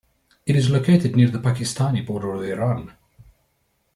It is located near the Pakistani border with Iran.